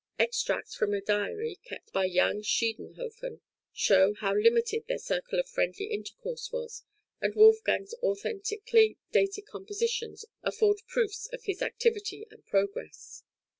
Extracts from a diary kept by young Schiedenhofen show how {CHURCH MUSIC "HAFFNER MUSIK," 1776.} (153) limited their circle of friendly intercourse was, and Wolfgang's authentically dated compositions afford proofs of his activity and progress.